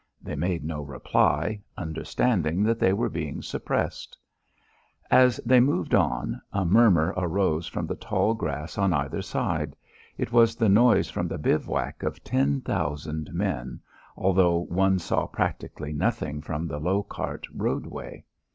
They made no reply, understanding that they were being suppressed. As they moved on, a murmur arose from the tall grass on either hand. It was the noise from the bivouac of ten thousand men, although one saw practically nothing from the low cart roadway.